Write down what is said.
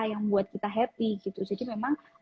yang membuat kita happy gitu jadi memang